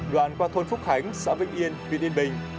đoàn qua thôn phúc khánh xã vĩnh yên viện yên bình